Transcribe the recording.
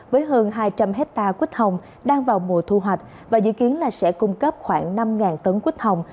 với hơn hai trăm linh hectare quýt hồng đang vào mùa thu hoạch và dự kiến là sẽ cung cấp khoảng năm tấn quít hồng